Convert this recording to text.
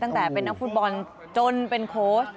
ตั้งแต่เป็นนักฟุตบอลจนเป็นโค้ช